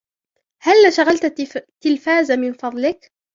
هلا شغلت التلفاز من فضلك ؟